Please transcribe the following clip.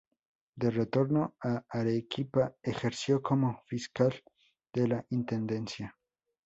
De retorno a Arequipa, ejerció como fiscal de la Intendencia.